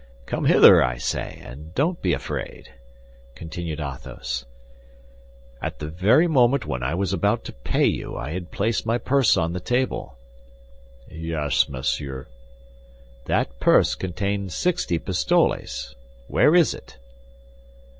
"Come hither, I say, and don't be afraid," continued Athos. "At the very moment when I was about to pay you, I had placed my purse on the table." "Yes, monsieur." "That purse contained sixty pistoles; where is it?"